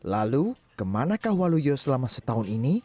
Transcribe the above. lalu kemanakah waluyo selama setahun ini